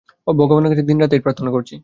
ভগবানের কাছে দিনরাত এই প্রার্থনা করছি।